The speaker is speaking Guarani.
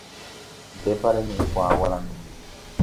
Ndépa reñe'ẽkuaa guaraníme.